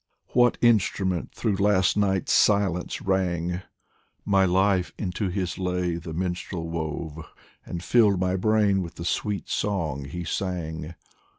What instrument through last night's silence rang ? My life into his lay the minstrel wove, And filled my brain with the sweet song he sang.